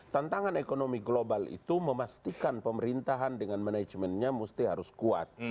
tantangan ekonomi global itu memastikan pemerintahan dengan manajemennya mesti harus kuat